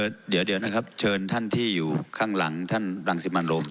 เดี๋ยวนะครับเชิญท่านที่อยู่ข้างหลังท่านรังสิมันโรม